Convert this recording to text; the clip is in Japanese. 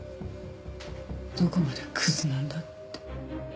どこまでクズなんだって。